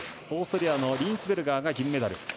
オーストリアのリーンスベルガーが銀メダル。